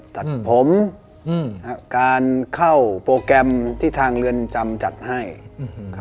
สัดผมอืมครับการเข้าโปรแกรมที่ทางเรือนจำจัดให้อืมอืม